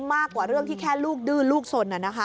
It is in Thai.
มากกว่าเรื่องที่แค่ลูกดื้อลูกสน